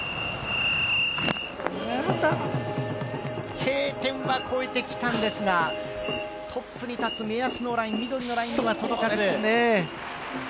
Ｋ点は越えてきたんですがトップに立つ目安のライン緑のラインには届かなかったですね。